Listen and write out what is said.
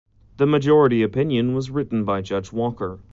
The majority opinion was written by Judge Walker.